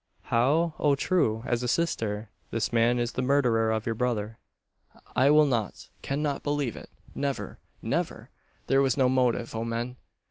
how? oh true as a sister! This man is the murderer of your brother." "I will not cannot believe it. Never never! There was no motive. O men!